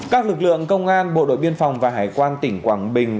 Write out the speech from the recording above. các lực lượng công an bộ đội biên phòng và hải quan tỉnh quảng bình